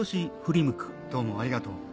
どうもありがとう。